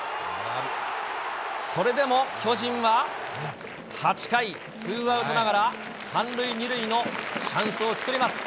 それでも巨人は、８回、ツーアウトながら、３塁２塁のチャンスを作ります。